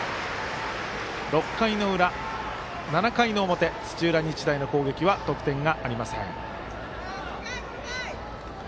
７回の表土浦日大の攻撃は得点がありません。